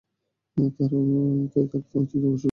তাই তারা অতীতে বসবাস করছে।